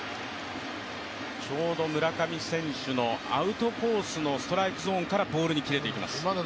ちょうど村上選手のアウトコースのストライクゾーンからボールに切れていきます。